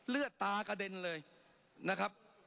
เลือดตากระเด็นเลยนะครับ